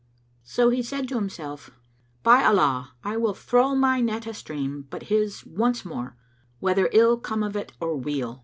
So he said to himself, "By Allah, I will throw my net a stream but his once more, whether ill come of it or weal!"